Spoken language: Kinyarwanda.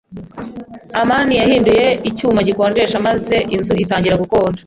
amani yahinduye icyuma gikonjesha maze inzu itangira gukonja.